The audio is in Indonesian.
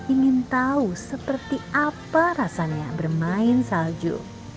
ingin tahu seperti apa rasanya bermain salju